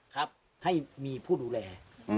ครับให้มีผู้ดูแล